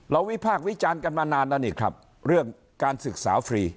วิพากษ์วิจารณ์กันมานานแล้วนี่ครับเรื่องการศึกษาฟรี